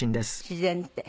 自然って。